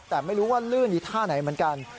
แต่ไม่รู้ว่าลื่นอีกท่าไหนเหมือนกัน